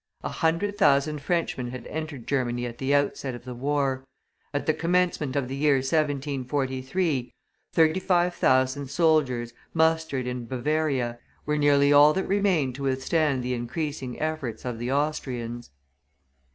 A hundred thousand Frenchmen had entered Germany at the outset of the war; at the commencement of the year 1743, thirty five thousand soldiers, mustered in Bavaria, were nearly all that remained to withstand the increasing efforts of the Austrians.